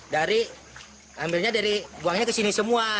dari ambilnya dari buangnya ke sini semua